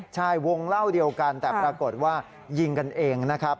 ใช่วงเล่าเดียวกันแต่ปรากฏว่ายิงกันเองนะครับ